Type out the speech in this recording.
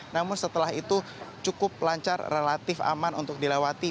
namun setelah itu cukup lancar relatif aman untuk dilewati